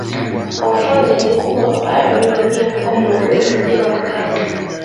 kwa mfano jamii kubwa ya Wapare waliohamia mkoa wa Morogoro na kujenga makazi